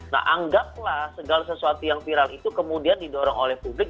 nah anggaplah segala sesuatu yang viral itu kemudian didorong oleh publik